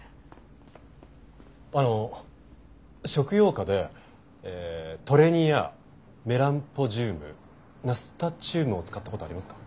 あの食用花でええトレニアメランポジュームナスタチュームを使った事ありますか？